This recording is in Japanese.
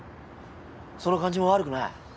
その感じも悪くない。